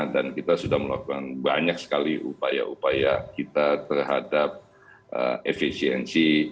dan kita sudah melakukan banyak sekali upaya upaya kita terhadap efisiensi